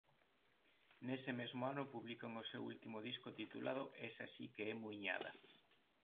Nese mesmo ano publican o seu último disco titulado "Esa si que é muiñada".